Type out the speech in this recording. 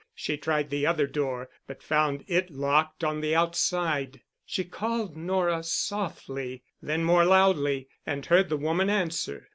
She tried the other door, but found it locked on the outside. She called Nora softly, then more loudly, and heard the woman answer.